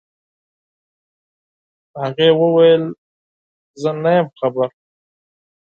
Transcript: هغې وويل زه نه يم خبر.